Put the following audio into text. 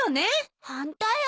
ホントよ。